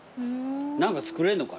何か作れんのか。